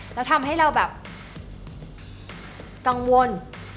แล้วทำให้เราแบบกังวล